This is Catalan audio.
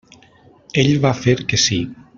Ell va fer que sí.